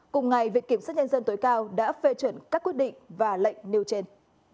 cùng ngày viện kiểm sát nhân dân tối cao đã phê chuẩn các quyết định và lệnh nêu trên